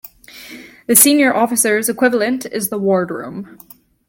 The senior officers' equivalent is the wardroom.